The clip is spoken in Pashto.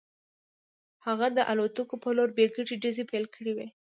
هغه د الوتکو په لور بې ګټې ډزې پیل کړې وې